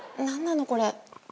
何なのこれ？